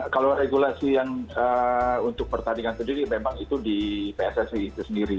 kalau regulasi yang untuk pertandingan sendiri memang itu di pssi itu sendiri